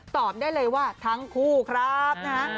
ตอบได้เลยว่าทั้งคู่ครับนะฮะ